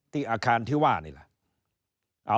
อาคารที่ว่านี่แหละ